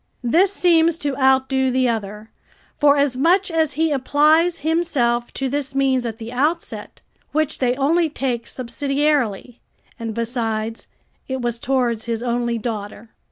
This seems to outdo the other, forasmuch as he applies himself to this means at the outset, which they only take subsidiarily; and, besides, it was towards his only daughter.